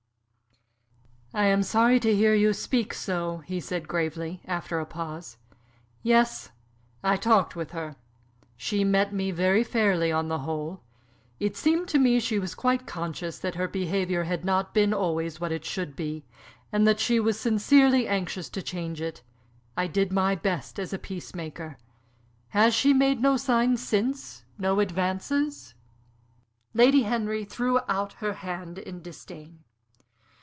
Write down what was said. "I am sorry to hear you speak so," he said, gravely, after a pause. "Yes, I talked with her. She met me very fairly, on the whole. It seemed to me she was quite conscious that her behavior had not been always what it should be, and that she was sincerely anxious to change it. I did my best as a peacemaker. Has she made no signs since no advances?" Lady Henry threw out her hand in disdain.